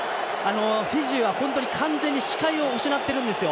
フィジーは本当に完全に視界を失っているんですよ。